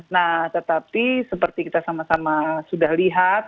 nah tetapi seperti kita sama sama sudah lihat